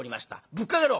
「ぶっかけろ！」。